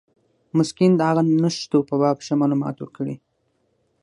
مسکین د هغو نښتو په باب ښه معلومات ورکړي.